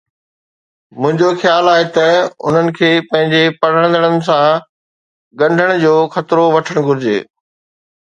منهنجو خيال آهي ته انهن کي پنهنجي پڙهندڙن سان ڳنڍڻ جو خطرو وٺڻ گهرجي.